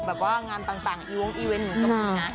แบบว่างานต่างอีเวนเหมือนกับผมนะ